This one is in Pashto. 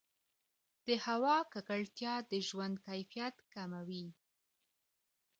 د هوا ککړتیا د ژوند کیفیت کموي.